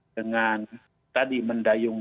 dengan tadi mendayungkan